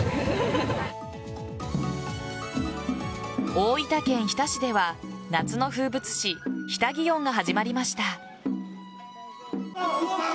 大分県日田市では夏の風物詩日田祇園が始まりました。